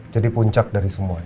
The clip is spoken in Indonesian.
jadi puncak dari semuanya